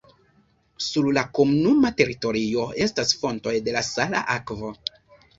Sur la komunuma teritorio estas fontoj de sala akvo.